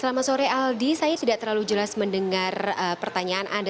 selamat sore aldi saya tidak terlalu jelas mendengar pertanyaan anda